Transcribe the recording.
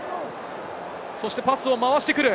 そしてパスを回してくる。